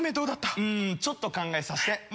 うんちょっと考えさせて。